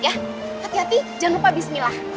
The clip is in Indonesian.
hati hati jangan lupa bismillah